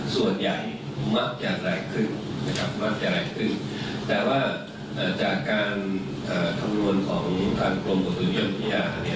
ส่วนใหญ่มักจะแรงขึ้นแต่ว่าจากการทำรวณของทางกรมกฎุลยนต์ภิญาเนี่ย